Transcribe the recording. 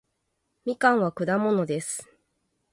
みかんは果物です